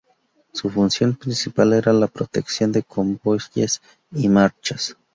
Su función principal era la protección de convoyes y marchas.